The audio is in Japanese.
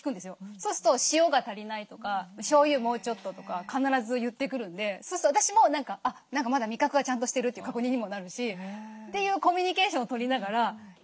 そうすると「塩が足りない」とか「しょうゆもうちょっと」とか必ず言ってくるんでそうすると私もまだ味覚はちゃんとしてるっていう確認にもなるしというコミュニケーションをとりながらやってますね。